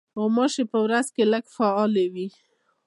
غوماشې په ورځ کې لږ فعالې وي.